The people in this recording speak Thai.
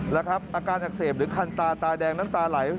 และอาการอักเสบหรือคันตาตาแดงตาไหล